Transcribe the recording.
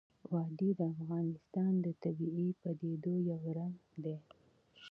وادي د افغانستان د طبیعي پدیدو یو رنګ دی.